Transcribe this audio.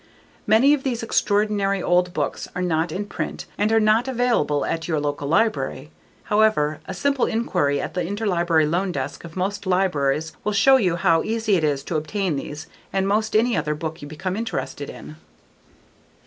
Many of these extraordinary old books are not in print and not available at your local library. However, a simple inquiry at the Interlibrary Loan desk of most libraries will show you how easy it is to obtain these and most any other book you become interested in.